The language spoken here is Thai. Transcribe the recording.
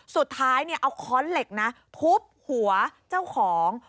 สุดท้ายเอาค้อนเหล็กนะทุบหัวเจ้าของ